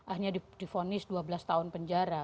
akhirnya di vonis dua belas tahun penjara